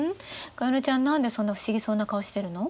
加弥乃ちゃん何でそんな不思議そうな顔してるの？